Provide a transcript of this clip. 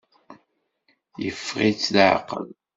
Yeffeɣ-itt leɛqel.